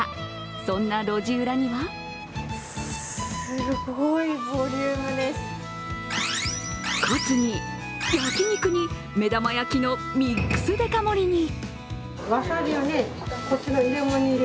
そんな路地裏にはカツに焼き肉に目玉焼きのミックスデカ盛りに。